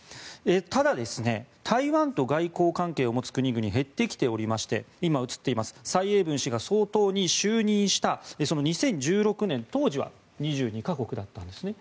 ただ、台湾と外交関係を持つ国々減ってきておりまして蔡英文氏が総統に就任したその２０１６年当時は２２か国だったんですね。